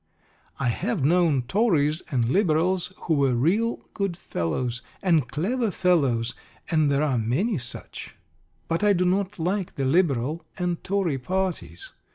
I have known Tories and Liberals who were real good fellows, and clever fellows, and there are many such; but I do not like the Liberal and Tory parties.